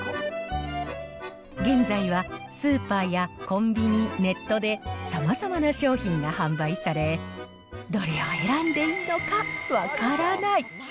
現在はスーパーやコンビニ、ネットでさまざまな商品が販売され、どれを選んでいいのか分からない。